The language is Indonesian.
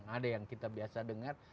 ada yang kita biasa dengar